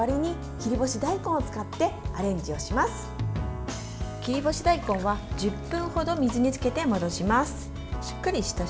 切り干し大根は１０分程水につけて戻します。